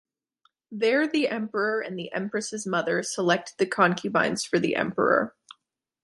There the emperor and the empress’s mother selected the concubines for the emperor.